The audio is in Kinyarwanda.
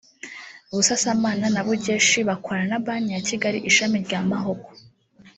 Busasamana na Bugeshi bakorana na Banki ya Kigali ishami rya Mahoko